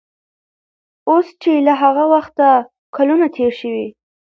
اوس چې له هغه وخته کلونه تېر شوي